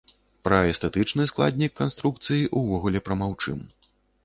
Пра эстэтычны складнік канструкцыі ўвогуле прамаўчым.